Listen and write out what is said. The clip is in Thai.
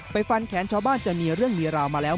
ฟันแขนชาวบ้านจนมีเรื่องมีราวมาแล้ว